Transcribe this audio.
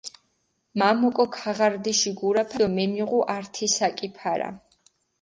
მა მოკო ქაღარდიში გურაფა დო მემიღუ ართი საკი ფარა.